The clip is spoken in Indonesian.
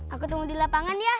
aku tunggu di lapangan ya